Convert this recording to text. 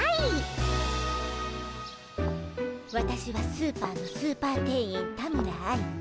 私はスーパーのスーパー店員田村愛。